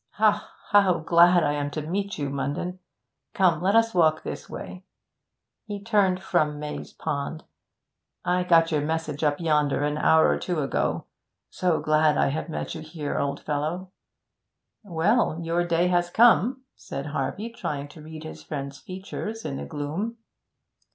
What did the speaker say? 'Ha! how glad I am to meet you, Munden! Come; let us walk this way.' He turned from Maze Pond. 'I got your message up yonder an hour or two ago. So glad I have met you here, old fellow.' 'Well, your day has come,' said Harvey, trying to read his friend's features in the gloom.